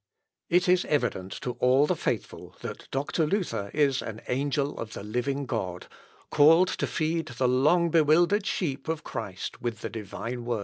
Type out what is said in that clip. It is evident to all the faithful, that Dr. Luther is an angel of the living God, called to feed the long bewildered sheep of Christ with the divine Word."